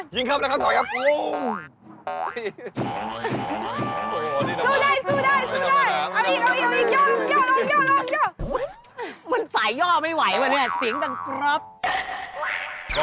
ยิงครับแล้วครับถอยครับโอ้โฮ